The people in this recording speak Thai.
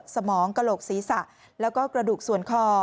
สมองกระโหลกศีรษะแล้วก็กระดูกส่วนคอ